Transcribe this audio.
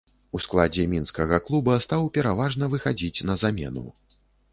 У складзе мінскага клуба стаў пераважна выхадзіць на замену.